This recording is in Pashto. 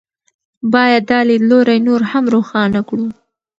باید دا لیدلوری نور هم روښانه کړو.